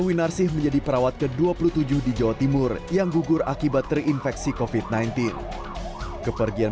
winarsih menjadi perawat ke dua puluh tujuh di jawa timur yang gugur akibat terinfeksi kofit sembilan belas kepergian